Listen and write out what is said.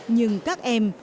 nhưng các em